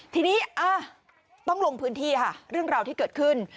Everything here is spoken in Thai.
ทีนี้ต้องลงพื้นที่ค่ะเรื่องราวที่เกิดขึ้น